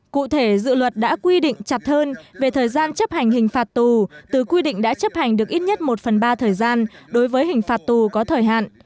cụ thể dự luật đã quy định chặt hơn về thời gian chấp hành hình phạt tù từ quy định đã chấp hành được ít nhất một phần ba thời gian đối với hình phạt tù có thời hạn